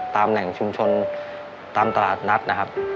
ตามแหล่งชุมชนตามตลาดนัดนะครับ